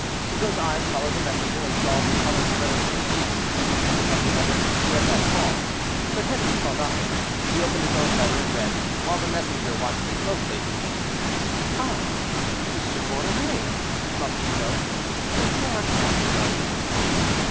Chicot's eyes followed the messenger, and saw the color spread over his cheeks as he stooped to pick up the letter he had let fall. But Henri saw nothing, he opened his own letter and read, while the messenger watched him closely. "Ah! M. Borromée," thought Chicot, "so you are a captain, are you?"